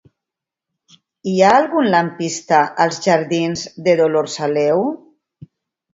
Hi ha algun lampista als jardins de Dolors Aleu?